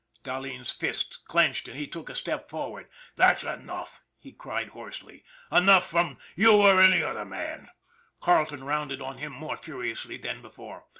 Dahleen's fists clenched, and he took a step forward. " That's enough !" he cried hoarsely. " Enough from you or any other man !" Carleton rounded on him more furiously than before.